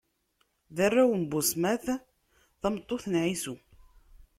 D arraw n Busmat, tameṭṭut n Ɛisu.